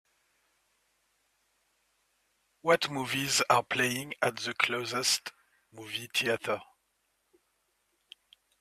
What movies are playing at the closest movie theatre